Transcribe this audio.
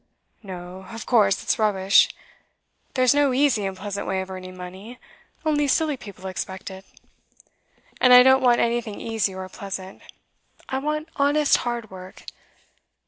'No; of course it's rubbish. There's no easy and pleasant way of earning money; only silly people expect it. And I don't want anything easy or pleasant. I want honest hard work.